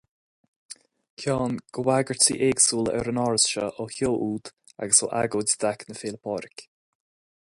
Ceann de bhagairtí éagsúla ar an áras seo ó sheó úd agus ó agóid i dtaca na Féile Pádraig.